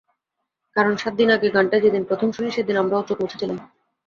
কারণ, সাত দিন আগে গানটা যেদিন প্রথম শুনি, সেদিন আমরাও চোখ মুছেছিলাম।